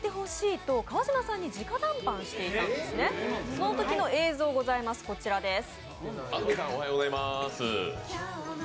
そのときの映像ございます、こちらです。